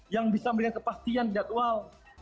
yang bisa memberikan kepastian jadwal